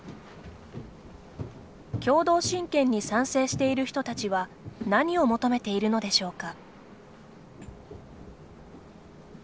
共同親権に賛成している人たちは何を求めているのでしょうか。